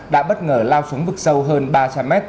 đã bất ngờ lao xuống vực sâu hơn ba trăm linh m